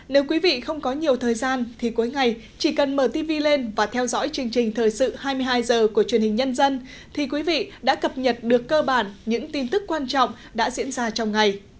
nếu quý vị không có nhiều thời gian thì cuối ngày chỉ cần mở tv lên và theo dõi chương trình thời sự hai mươi hai h của truyền hình nhân dân thì quý vị đã cập nhật được cơ bản những tin tức quan trọng đã diễn ra trong ngày